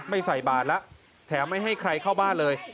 ใส่บาทแล้วแถมไม่ให้ใครเข้าบ้านเลย